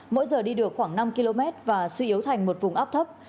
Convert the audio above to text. mỗi giờ đi được khoảng năm km và suy yếu thành một vùng áp thấp